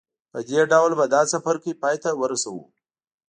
په دې ډول به دا څپرکی پای ته ورسوو